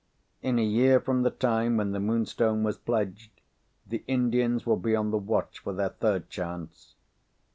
In a year from the time when the Moonstone was pledged, the Indians will be on the watch for their third chance.